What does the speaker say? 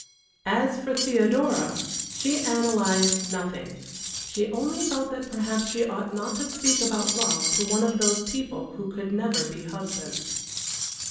As for Theodora, she analyzed nothing, she only felt that perhaps she ought not to speak about love to one of those people who could never be husbands.